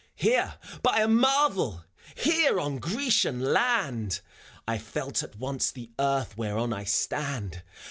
Here, by a marvel ! Here, on Grecian land I I felt at once the earth whereon I stand.